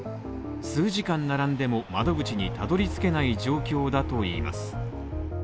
数時間並んでも窓口にたどり着けない状況だといいます。